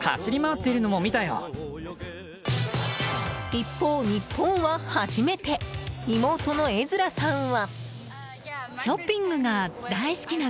一方、日本は初めて妹のエズラさんは。